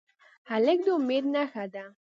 هلک د امید نښه ده.